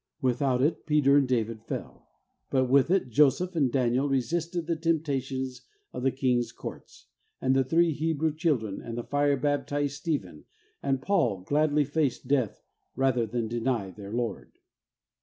Without it, Peter and David fell ; but with it, Joseph and Daniel resisted the tempta tions of kings' courts, and the three Hebrew children and the fire baptized Stephen and Paul gladly faced death rather than deny their Lord.